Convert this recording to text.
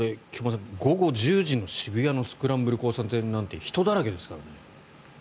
さん、午後１０時の渋谷のスクランブル交差点なんて人だらけですからね。